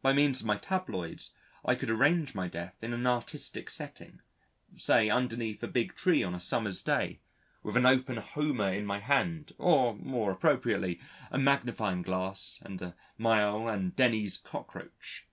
By means of my tabloids, I could arrange my death in an artistic setting, say underneath a big tree on a summer's day, with an open Homer in my hand, or more appropriately, a magnifying glass and Miall and Denny's _Cockroach.